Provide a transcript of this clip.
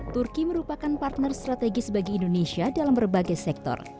turki merupakan partner strategis bagi indonesia dalam berbagai sektor